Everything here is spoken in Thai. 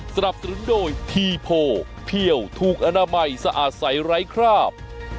สนับสนุนโดยทีโพเพี่ยวถูกอนามัยสะอาดใสไร้คราบ